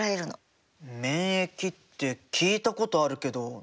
免疫って聞いたことあるけど何だっけ？